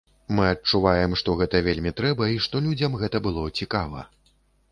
Мы адчуваем, што гэта вельмі трэба, і што людзям гэта было цікава.